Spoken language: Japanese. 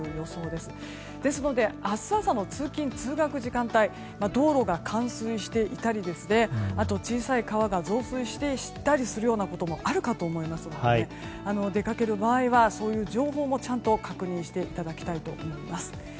ですので、明日朝の通勤・通学時間帯道路が冠水していたり小さい川が増水していたりすることもあるかと思いますので出かける場合はそういう情報もちゃんと確認していただきたいと思います。